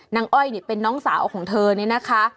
อ้อยเป็นน้องสาวของเธอเนี่ยนะคะ